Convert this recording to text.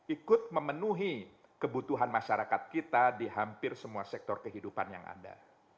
ikut memenuhi kebutuhan masyarakat kita di hampir semua sektor kehidupan yang ada